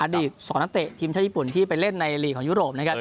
อดีตส่วนนัดแต่ทีมชาติญี่ปุ่นที่ไปเล่นในฤดูการของยุโรปนะครับ